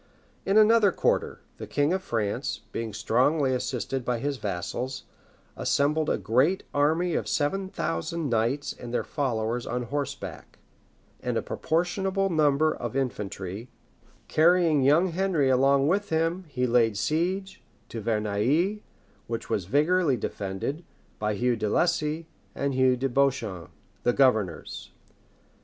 In another quarter, the king of France, being strongly assisted by his vassals, assembled a great army of seven thousand knights and their followers on horseback, and a proportionable number of infantry; carrying young Henry along with him he laid siege to Verneuil, which was vigorously defended by Hugh de Lacy and Hugh de Beauchamp, the governors.